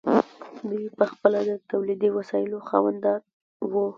دوی پخپله د تولیدي وسایلو خاوندان وو.